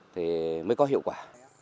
thì mới có hiệu quả